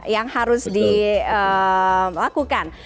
yang harus dilakukan